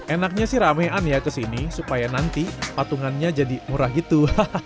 enaknya sih ramean ya kesini supaya nanti patungannya jadi murah gitu